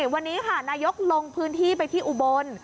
วันนี้ค่ะนายกลงพื้นที่ไปที่อุบล